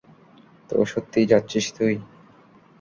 তো সত্যিই যাচ্ছিস তুই?